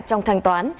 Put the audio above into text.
trong thanh toán